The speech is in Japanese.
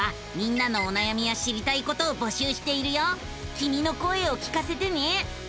きみの声を聞かせてね。